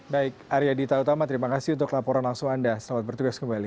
baik arya dita utama terima kasih untuk laporan langsung anda selamat bertugas kembali